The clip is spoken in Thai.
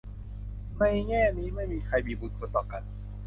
ในแง่นี้ไม่มีใครมี "บุญคุณ" ต่อกัน